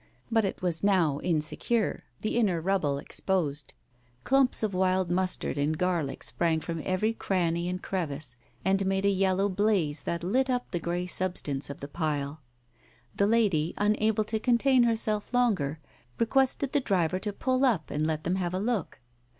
But it was now insecure, the inner rubble exposed. Clumps of wild mustard and garlic sprang from every cranny and crevice and made a yellow blaze that lit up the grey substance of the pile. The lady unable to contain herself longer, requested the driver to pull up and let them have a look.